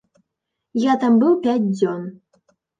Я там быў пяць дзён.